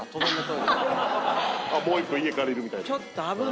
もう１個家借りるみたいな。